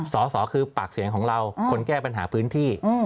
สอสอคือปากเสียงของเราคนแก้ปัญหาพื้นที่